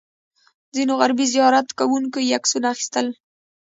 ځینو غربي زیارت کوونکو یې عکسونه اخیستل.